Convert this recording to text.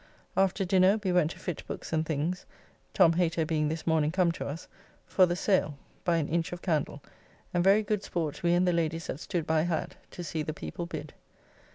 After dinner, we went to fit books and things (Tom Hater being this morning come to us) for the sale, by an inch of candle, and very good sport we and the ladies that stood by had, to see the people bid.